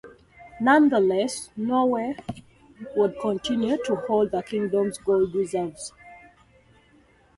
Nonetheless, Norway would continue to hold the Kingdom's gold reserves.